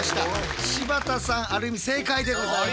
柴田さんある意味正解でございます。